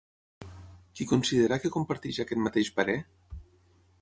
Qui considera que comparteix aquest mateix parer?